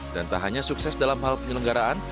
dan tak hanya sukses dalam hal penyelenggaraan